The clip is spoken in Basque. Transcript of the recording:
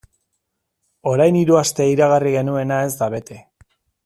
Orain hiru aste iragarri genuena ez da bete.